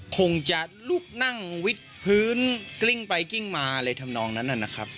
คงจะลุกนั่งวิดพื้นกลิ้งไปกลิ้งมาอะไรทำนองนั้นนะครับ